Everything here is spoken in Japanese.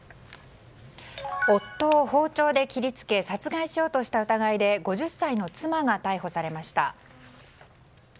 夫を包丁で切り付け殺害しようとした疑いで５０歳の妻が逮捕されました。